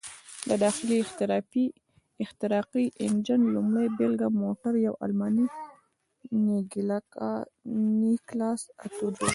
د داخلي احتراقي انجن لومړۍ بېلګه موټر یو الماني نیکلاس اتو جوړ کړ.